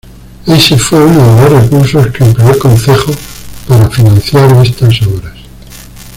Ese fue uno de los recursos que empleó el concejo para financiar estas obras.